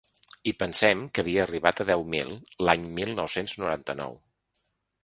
I pensem que havia arribat a deu mil l’any mil nou-cents noranta-nou.